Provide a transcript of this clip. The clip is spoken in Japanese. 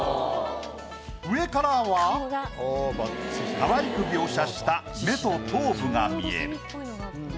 上からはかわいく描写した目と頭部が見える。